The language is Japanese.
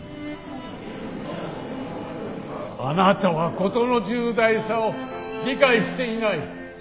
あなたは事の重大さを理解していない。